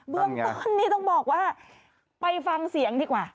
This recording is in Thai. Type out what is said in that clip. เบื้องต้นนี่ต้องบอกว่าไปฟังเสียงดีกว่า